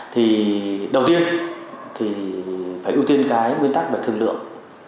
thì đầu tiên thì phải ưu tiên cái nguyên tắc về thương lượng